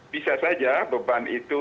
bisa saja beban itu